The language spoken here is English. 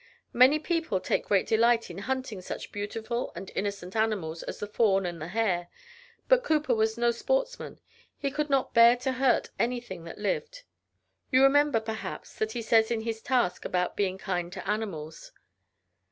Many people take great delight in hunting such beautiful and innocent animals as the fawn and the hare. But Cowper was no sportsman. He could not bear to hurt any thing that lived. You remember, perhaps, what he says in his "Task" about being kind to animals.